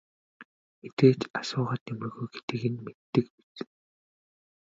Мэдээж асуугаад нэмэргүй гэдгийг нь мэддэг биз.